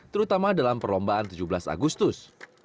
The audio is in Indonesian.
terutama dalam perlombaan tujuh belas agustus